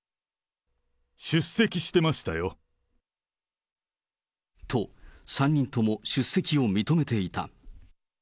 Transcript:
出席してましたよ。と、３人とも出席を認めていた。